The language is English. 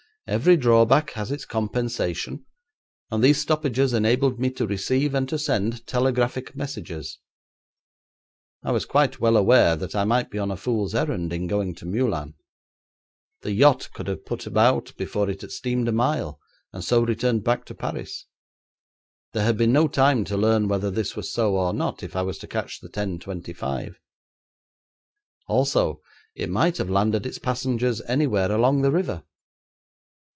However, every drawback has its compensation, and these stoppages enabled me to receive and to send telegraphic messages. I was quite well aware that I might be on a fool's errand in going to Meulan. The yacht could have put about before it had steamed a mile, and so returned back to Paris. There had been no time to learn whether this was so or not if I was to catch the 10.25. Also, it might have landed its passengers anywhere along the river.